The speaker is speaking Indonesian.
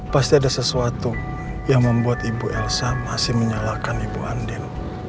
pasti ada sesuatu yang membuat ibu elsa masih menyalahkan ibu andin